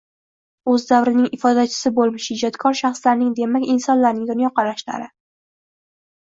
o‘z davrining ifodachisi bo‘lmish ijodkor shaxslarning, demak insonlarning dunyoqarashlari